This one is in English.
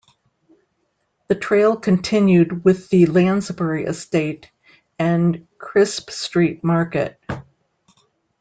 The trail continued with the Lansbury Estate and Chrisp Street Market.